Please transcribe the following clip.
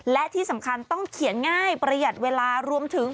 และที่สำคัญต้องเขียนง่ายประหยัดเวลารวมถึง